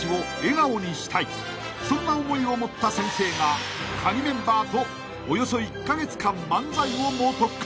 ［そんな思いを持った先生がカギメンバーとおよそ１カ月間漫才を猛特訓］